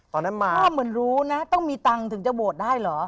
พ่อเหมือนรู้นะต้องมีเงินถึงจะโหวตได้หรอ